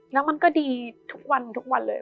แล้วมันก็ดีทุกวันเลย